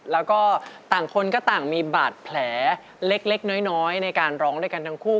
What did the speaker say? แล้วก็ต่างคนก็ต่างมีบาดแผลเล็กน้อยในการร้องด้วยกันทั้งคู่